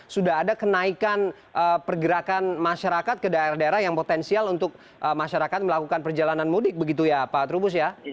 sudah ada kenaikan pergerakan masyarakat ke daerah daerah yang potensial untuk masyarakat melakukan perjalanan mudik begitu ya pak trubus ya